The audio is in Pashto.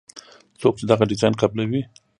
څوک چې دغه ډیزاین قبلوي.